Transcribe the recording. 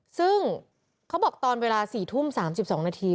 ซึ่งเขาบอกตอนเวลา๔ทุ่ม๓๒นาที